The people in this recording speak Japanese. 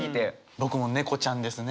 僕もネコちゃんですね